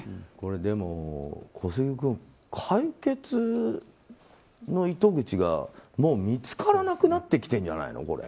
でも小杉君、解決の糸口がもう見つからなくなってきてるんじゃないの？